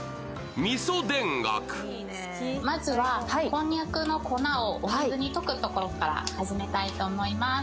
まずはこんにゃくの粉をお水に溶くところから始めたいと思います。